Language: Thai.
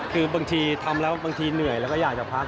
คือบางทีทำแล้วบางทีเหนื่อยแล้วก็อยากจะพัก